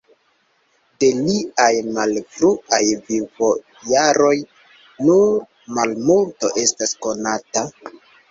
De liaj malfruaj vivojaroj nur malmulto estas konata.